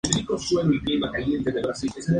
Posteriormente, sirvió como base de Atenas.